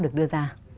được đưa ra